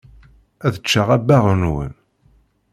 Ad ččeɣ abbaɣ-nwen.